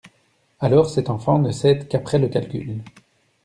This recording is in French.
Alors cette enfant ne cède qu'après le calcul.